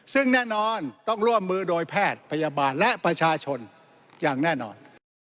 ซึ่งแน่นอนต้องร่วมมือโดยแพทย์พยาบาลและประชาชนอย่างแน่นอน